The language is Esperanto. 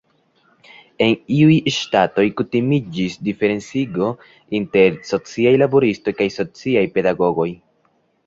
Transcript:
En iuj ŝtatoj kutimiĝis diferencigo inter "sociaj laboristoj" kaj "sociaj pedagogoj".